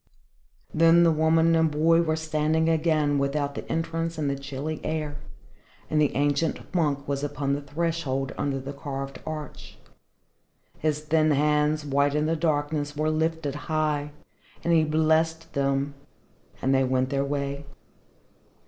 _" Then the woman and the boy were standing again without the entrance in the chilly air, and the ancient monk was upon the threshold under the carved arch; his thin hands, white in the darkness, were lifted high, and he blessed them, and they went their way.